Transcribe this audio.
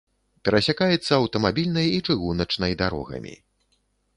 Перасякаецца аўтамабільнай і чыгуначнай дарогамі.